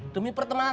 demi pertemanan saya